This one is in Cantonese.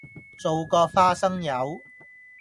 做個花生友